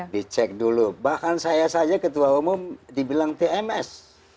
dicek dulu bahkan saya saja ketua umum dibilang tms